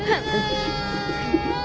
うん！